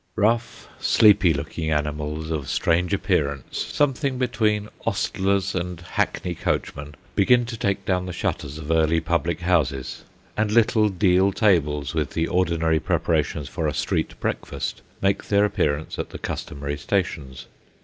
Rough, sleepy looking animals of strange appearance, something between ostlers and hackney coachmen, begin to take down the shutters of early public houses ; and little deal tables, with the ordinary pre parations for a street breakfast, make their appearance at the customary stations.